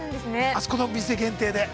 ◆あそこのお店限定で。